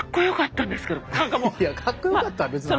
いや「かっこよかった」は別の話や。